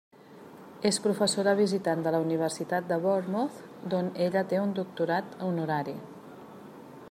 És professora visitant de la Universitat de Bournemouth, d'on ella té un doctorat honorari.